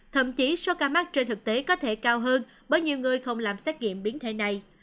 thậm chí số ca mắc trên thực tế có thể cao hơn bởi nhiều người không làm xét nghiệm biến thể này